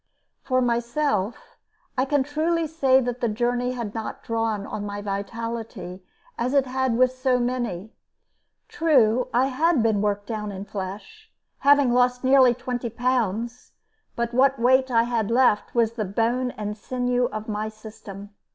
For myself, I can truly say that the journey had not drawn on my vitality as it had with so many. True, I had been worked down in flesh, having lost nearly twenty pounds; but what weight I had left was the bone and sinew of my system.